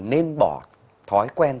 nên bỏ thói quen